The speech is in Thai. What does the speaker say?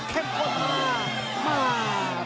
แข็งพร้อมมากมาก